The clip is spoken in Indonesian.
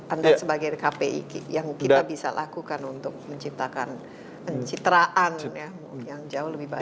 anda sebagai kpi yang kita bisa lakukan untuk menciptakan pencitraan yang jauh lebih baik